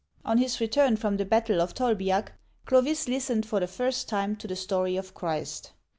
On his return from the battle of Tolbiac, Clovis listened for the first time to the story of Christ.